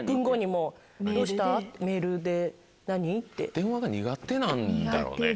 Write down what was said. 電話が苦手なんだろうね。